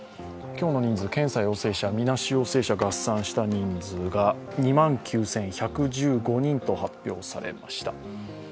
今日の人数、検査陽性者、みなし陽性者を合算した人数が２万９１１５人と発表されました。